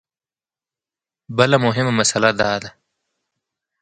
بله مهمه مسله دا ده.